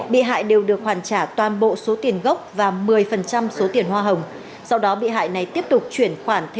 bị hại đều được hoàn trả toàn bộ xuống sàn